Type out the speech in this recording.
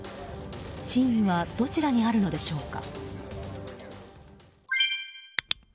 真意はどちらにあるのでしょうか。